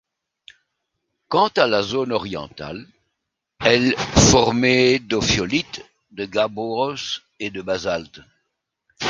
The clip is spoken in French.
Quant à la zone orientale, elle formée d'ophiolites, de gabbros, et de basaltes.